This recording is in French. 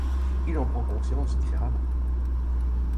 Il en prend conscience différemment.